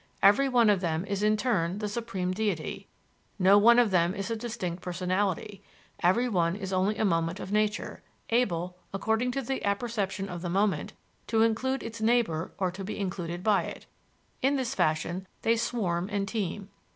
Everyone of them is in turn the supreme deity; no one of them is a distinct personality; everyone is only a moment of nature, able, according to the apperception of the moment, to include its neighbor or be included by it. In this fashion they swarm and teem.